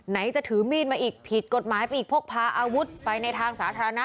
จะถือมีดมาอีกผิดกฎหมายไปอีกพกพาอาวุธไปในทางสาธารณะ